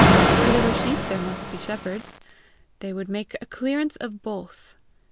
Where there were sheep there must be shepherds: they would make a clearance of both!